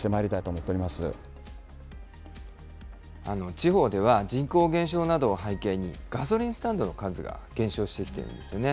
地方では人口減少などを背景に、ガソリンスタンドの数が減少してきているんですよね。